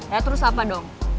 ya terus apa dong